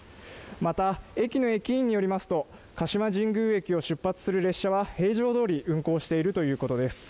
また駅の駅員によりますと鹿島神宮駅を出発する列車は平常どおり運行しているということです。